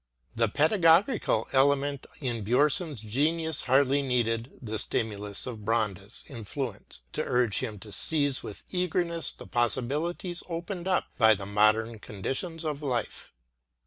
The pedagogical element in Bjomson's genius hardly needed the stimulus of Brandes* influence to urge him to seize with eagerness the possibilities opened up by modern conditions of life.